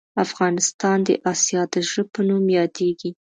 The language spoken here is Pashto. افغانستان د اسیا د زړه په نوم یادیږې